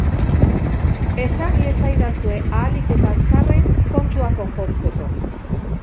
Esan iezadazue ahalik eta azkarren, kontua konpontzeko!